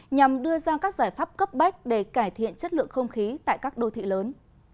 nhằm đưa ra các giải pháp cấp bách để cải thiện chất lượng không khí tại các đô thị lớn